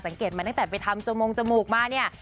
สังเกตมาตั้งแต่ไปทำจมงจมูกมาเนี่ย